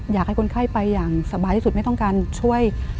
อยากให้คนไข้ไปอย่างสบายที่สุดไม่ต้องการช่วย